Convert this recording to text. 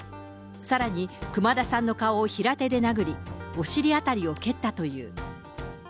さらに、熊田さんの顔を平手で殴り、お尻辺りを蹴ったという。